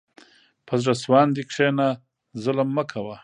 په زړه سواندي کښېنه، ظلم مه کوه.